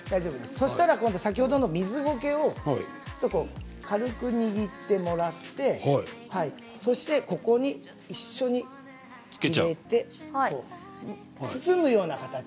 そしたら先ほどの水ゴケを軽く握ってもらってそして、ここに一緒に入れて包むような形。